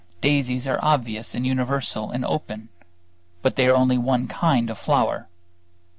Daisies are obvious and universal and open; but they are only one kind of flower.